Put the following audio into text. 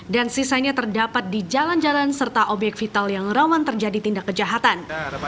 dan sisanya terdapat di jalan jalan serta obyek vital yang rawan terjadi tindak kejahatan